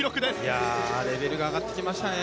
いやあレベルが上がってきましたね。